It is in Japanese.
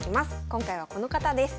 今回はこの方です。